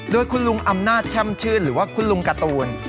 โดยคุณลุงอำนาจแช่มชื่นหรือว่าคุณลุงการ์ตูน